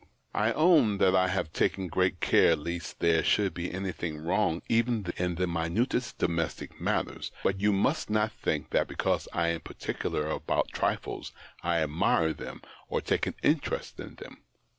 I own that I have taken great care lest there should be anything wrong in even the minutest domestic matters, but you must not think, that because I am particular about trifles, I admire them or take an interest in them.